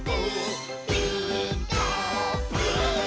「ピーカーブ！」